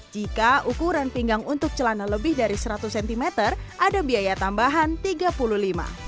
jika ukuran pinggang untuk celana lebih dari seratus cm ada biaya tambahan tiga puluh lima hingga lima puluh ribu rupiah